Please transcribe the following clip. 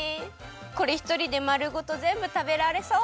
これひとりでまるごとぜんぶたべられそう！